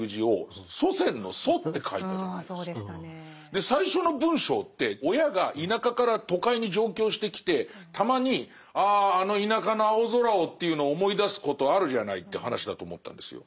で最初の文章って親が田舎から都会に上京してきてたまにああの田舎の青空をというのを思い出すことあるじゃないって話だと思ったんですよ。